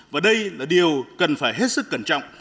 và đây là điều cần phải hết sức cẩn trọng